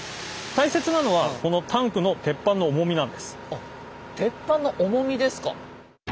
あっ鉄板の重みですか？